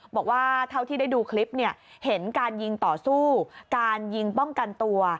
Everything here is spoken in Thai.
บอกว่าเท่าที่ได้ดูคลิปเนี่ยเห็นการยิงต่อสู้การยิงป้องกันตัว